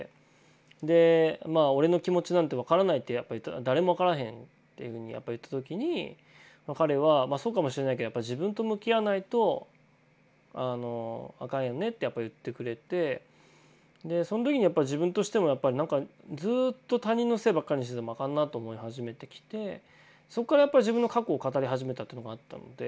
でまあ俺の気持ちなんて分からないって言ったら誰も分からへんっていうふうに言った時に彼はそうかもしれないけどやっぱ自分と向き合わないとあかんよねってやっぱ言ってくれてそん時に自分としてもやっぱりなんかずっと他人のせいばっかりにしててもあかんなと思い始めてきてそっからやっぱり自分の過去を語り始めたっていうのもあったので。